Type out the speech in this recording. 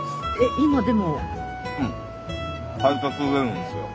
今でも。